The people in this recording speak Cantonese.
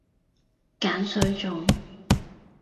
鹼水粽